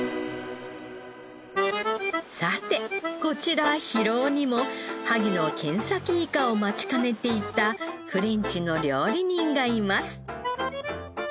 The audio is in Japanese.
さてこちら広尾にも萩のケンサキイカを待ちかねていたフレンチの料理人がいます。